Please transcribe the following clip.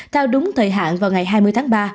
theo đúng thời hạn vào ngày hai mươi tháng ba